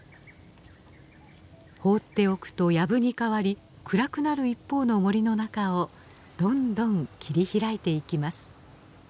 放っておくとやぶに変わり暗くなる一方の森の中をどんどん切り開いていきます。